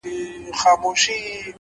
وخت د بې پروایۍ حساب اخلي,